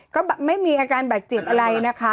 ก็ไม่มีอาการบาดเจ็บอะไรนะคะ